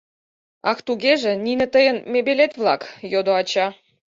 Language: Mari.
— Ах, тугеже нине тыйын мебелет-влак? — йодо ача.